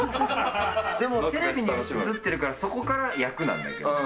でもテレビに映ってるからそこから役なんだけど。